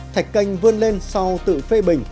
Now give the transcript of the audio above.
thạch canh vươn lên sau tự phê bình